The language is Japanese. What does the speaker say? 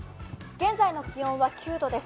現在の気温は９度です。